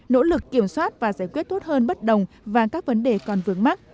nỗ lực kiểm soát và giải quyết tốt hơn bất đồng và các vấn đề còn vướng mắt